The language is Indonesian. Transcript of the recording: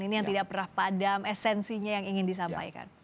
ini yang tidak pernah padam esensinya yang ingin disampaikan